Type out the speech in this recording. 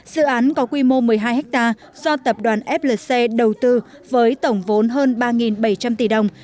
dự án có quy mô một mươi hai ha do tập đoàn flc đầu tư với tổng vốn hơn ba bảy trăm linh tỷ đồng